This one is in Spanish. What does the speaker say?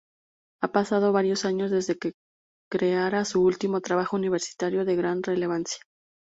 Han pasado varios años desde que creara su último trabajo universitario de gran relevancia.